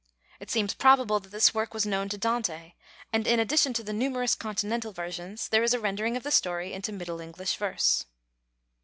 It seems probable that this work was known to Dante, and, in addition to the numerous continental versions, there is a rendering of the story into Middle English verse.